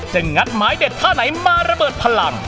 งัดไม้เด็ดท่าไหนมาระเบิดพลัง